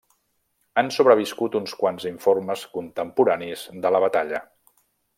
Han sobreviscut uns quants informes contemporanis de la batalla.